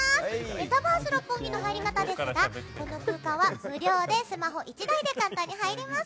メタバース六本木の入り方ですがこの空間は無料で、スマホ１台で簡単に入れます。